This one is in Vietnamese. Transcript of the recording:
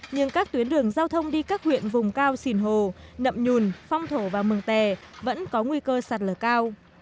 nhưng các tuyến đường giao thông đi các huyện vùng cao sìn hồ nậm nhùn phong thổ và mường tè vẫn có nguy cơ sạt lở cao